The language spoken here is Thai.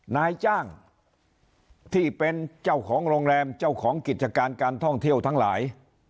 นายจ้างที่เป็นเจ้าของโรงแรมเจ้าของกิจการการท่องเที่ยวทั้งหลาย